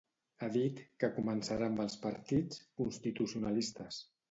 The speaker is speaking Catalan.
Ha dit que començarà amb els partits "constitucionalistes".